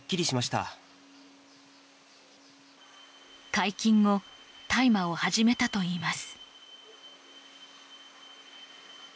解禁後大麻を始めたといいます。